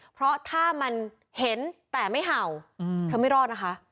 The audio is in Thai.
เพราะถ้ามันเห็นแต่ไม่เห่าเธอไม่รอดนะคะ